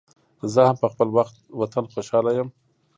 زه هم پخپل وطن خوشحال یم